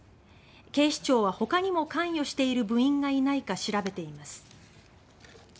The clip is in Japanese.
警視庁は、ほかにも関与している部員がいないか調べています。